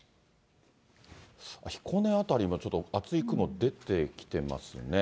彦根辺りも厚い雲、出てきてますね。